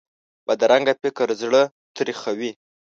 بدرنګه فکر زړه تریخوي